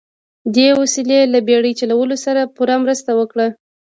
دې وسیلې له بیړۍ چلولو سره پوره مرسته وکړه.